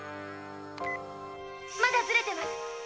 まだずれてます。